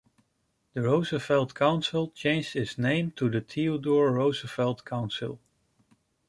The Roosevelt Council changed its name to the Theodore Roosevelt Council.